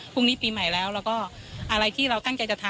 พรุ่งนี้ปีใหม่แล้วแล้วก็อะไรที่เราตั้งใจจะทำ